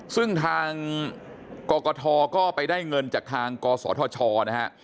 ซึ่งทางกกทก็ไปได้เงินจากทางกศธชนะฮะ